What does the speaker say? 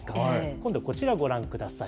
今度、こちらご覧ください。